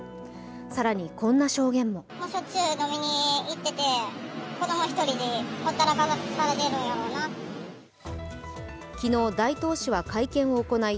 更に、こんな証言も昨日、大東市は会見を行い